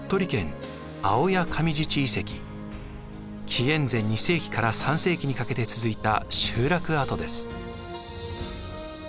紀元前２世紀から３世紀にかけて続いた集落跡です。